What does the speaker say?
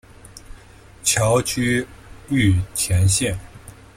侨居玉田县。